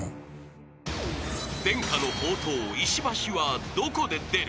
［伝家の宝刀石橋はどこで出る？］